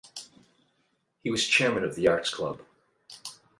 He was Chairman of The Arts Club.